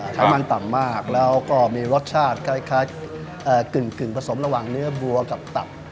ใช้มันต่ำมากแล้วก็มีรสชาติคล้ายกึ่งผสมระหว่างเนื้อบัวกับตับ